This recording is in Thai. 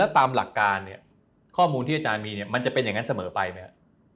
แล้วตามหลักการเนี่ยข้อมูลที่อาจารย์มีมันจะเป็นอย่างนั้นเสมอไปมั้ย